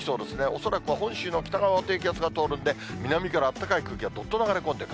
恐らく本州の北側を低気圧が通るんで、南からあったかい空気がどっと流れ込んでくる。